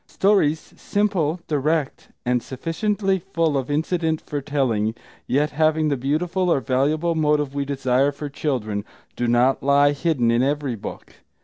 Stories simple, direct, and sufficiently full of incident for telling, yet having the beautiful or valuable motive we desire for children, do not lie hidden in every book.